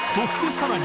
さらに